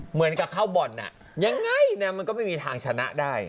เหมือนกับเข้าบ่อนยังไงมันก็ไม่มีทางชนะได้